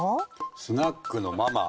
スナックのママ？